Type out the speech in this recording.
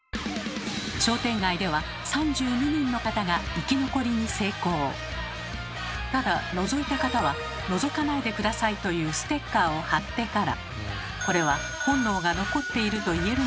商店街ではただのぞいた方は「覗かないでください」というステッカーを貼ってから。